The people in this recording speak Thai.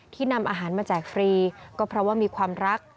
นำอาหารมาแจกฟรีก็เพราะว่ามีความรัก